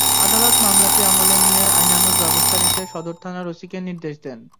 আদালত মামলাটি আমলে নিয়ে আইনানুগ ব্যবস্থা নিতে সদর থানার ওসিকে নির্দেশ দেন।